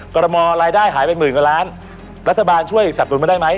กรมอรายได้หายไปหมื่นกว่าล้านรัฐบาลช่วยสับสนุนมาได้ไหม